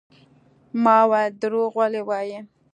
ما وويل دروغ ولې وايې.